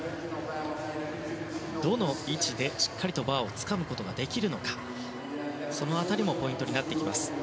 どの位置でしっかりとバーをつかむことができるのかその辺りもポイントになってきます。